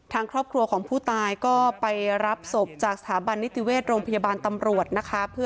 ทางครอบครัวของผู้ตายก็ไปรับศพจากสถาบันนิติเวชโรงพยาบาลตำรวจนะคะ